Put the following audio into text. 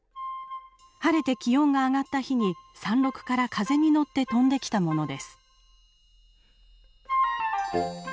晴れて気温が上がった日に山麓から風に乗って飛んできたものです。